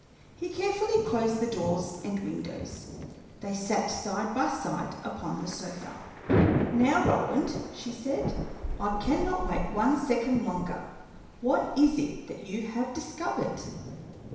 He carefully closed the doors and windows. They sat side by side upon the sofa. "Now, Roland," she said, "I cannot wait one second longer. What is it that you have discovered?"